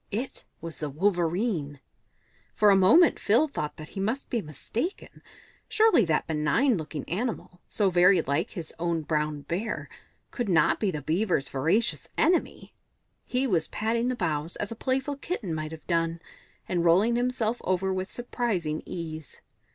It was the Wolverene. For a moment Phil thought that he must be mistaken; surely that benign looking animal, so very like his own brown bear, could not be the Beaver's voracious enemy? He was patting the boughs as a playful kitten might have done, and rolling himself over with surprising ease.